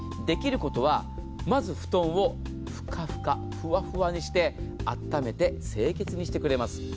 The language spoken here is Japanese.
できることは、まずふとんをふかふか、ふわふわにしてあっためて清潔にしてくれます。